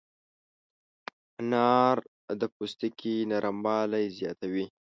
انار د پوستکي نرموالی زیاتوي.